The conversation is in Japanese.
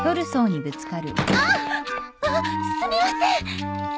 あっああすみません。